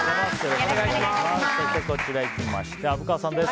そして、虻川さんです。